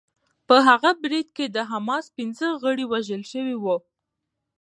په هغه برید کې د حماس پنځه غړي وژل شوي وو